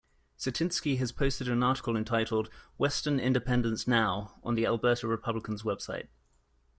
Cetinski has posted an article entitled, "Western Independence Now", on the Alberta Republicans website.